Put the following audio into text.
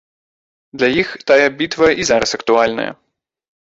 Для іх тая бітва і зараз актуальная.